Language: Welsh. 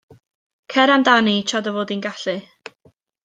Cer amdani tra dy fod ti'n gallu.